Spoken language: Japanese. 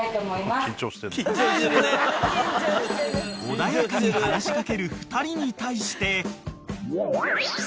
［穏やかに話し掛ける２人に対して］